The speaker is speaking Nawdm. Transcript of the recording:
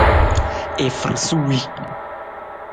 I far suwii.